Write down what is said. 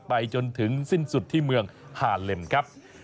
ไปถึงที่สิ้นสุดที่เมืองหาเล็มครับ